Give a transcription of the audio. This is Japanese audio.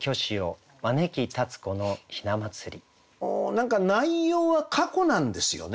何か内容は過去なんですよね。